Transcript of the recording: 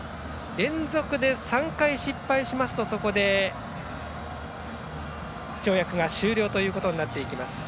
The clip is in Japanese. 連続で３回失敗しますとそこで跳躍が終了となっていきます。